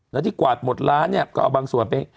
แล้วที่กวาดหมดร้านเนี่ยก็เอาบางส่วนไป